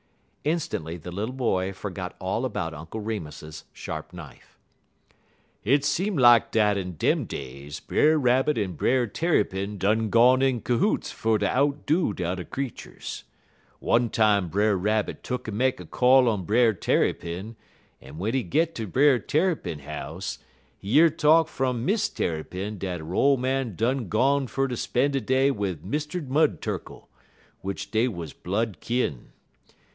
Instantly the little boy forgot all about Uncle Remus's sharp knife. "Hit seem lak dat in dem days Brer Rabbit en Brer Tarrypin done gone in cohoots fer ter outdo de t'er creeturs. One time Brer Rabbit tuck'n make a call on Brer Tarrypin, but w'en he git ter Brer Tarrypin house, he year talk fum Miss Tarrypin dat her ole man done gone fer ter spen' de day wid Mr. Mud Turkle, w'ich dey wuz blood kin.